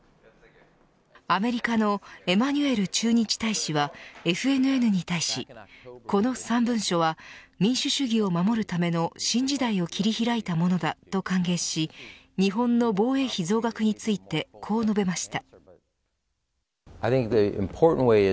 アメリカのエマニュエル駐日大使はＦＮＮに対し、この３文書は民主主義を守るための新時代を切り開いたものだと歓迎し日本の防衛費増額についてこう述べました。